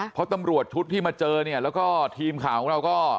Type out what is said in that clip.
เพราะตำรวจชุดที่มาเจอเนี่ยแล้วก็ทีมข่าวของเราก็